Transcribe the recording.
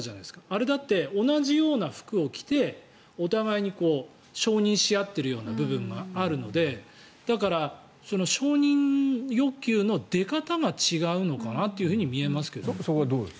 あれだって、同じような服を着てお互いに承認し合っているような部分があるのでだから、承認欲求の出方が違うのかなとそこはどうですか？